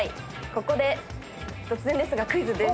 ここで突然ですがクイズです。